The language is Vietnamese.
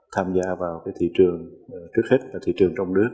tham gia vào cái thị trường trước hết và thị trường trong nước